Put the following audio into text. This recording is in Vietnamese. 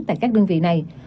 tại các đơn vị này